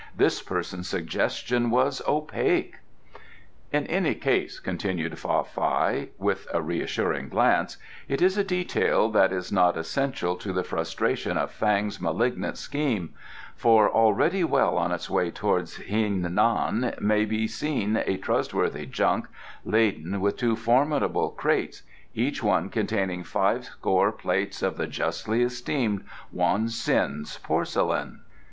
"This person's suggestion was opaque." "In any case," continued Fa Fai, with a reassuring glance, "it is a detail that is not essential to the frustration of Fang's malignant scheme, for already well on its way towards Hien Nan may be seen a trustworthy junk, laden with two formidable crates, each one containing fivescore plates of the justly esteemed Wong Ts'in porcelain."